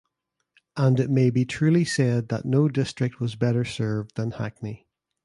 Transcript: And it may be truly said that no district was better served than Hackney.